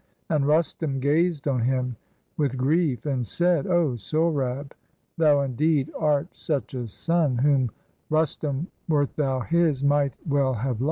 And Rustum gaz'd on him with grief, and said: —" O Sohrab, thou indeed art such a son Whom Rustum, wert thou his, might well have lov'd.